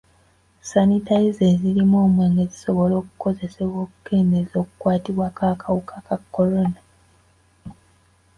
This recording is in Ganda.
Sanitayiza ezirimu omwenge zisobola okukozesebwa okukendeeza okukwatibwa kw'akawuka ka kolona.